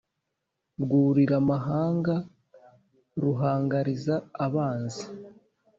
rwurira mahanga, ruhangariza abanzi